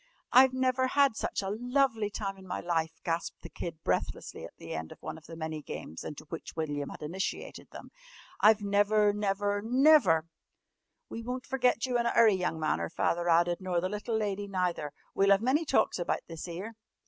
"I've never had such a lovely time in my life," gasped the Kid breathlessly at the end of one of the many games into which William had initiated them. "I've never, never, never " "We won't ferget you in a 'urry, young man," her father added, "nor the little lady neither. We'll 'ave many talks about this 'ere!"